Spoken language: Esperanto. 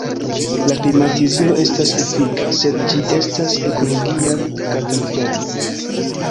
La klimatizilo estas efika, sed ĝi estas ekologia katastrofo.